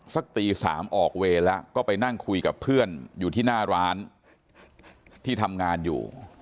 สักตี๓ออกเวรแล้วก็ไปนั่งคุยกับเพื่อนอยู่ที่หน้าร้านที่ทำงานอยู่